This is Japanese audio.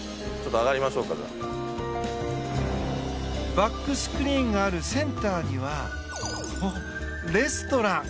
バックスクリーンがあるセンターには、レストラン！